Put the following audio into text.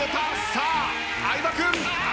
さあ相葉君。